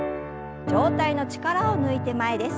上体の力を抜いて前です。